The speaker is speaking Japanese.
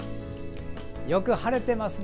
よく晴れてますね。